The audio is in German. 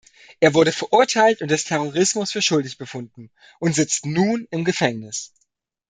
Er wurde verurteilt und des Terrorismus für schuldig befunden und sitzt nun im Gefängnis.